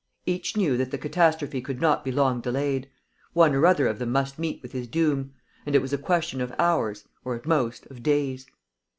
Each knew that the catastrophe could not be long delayed. One or other of them must meet with his doom; and it was a question of hours, or, at most, of days.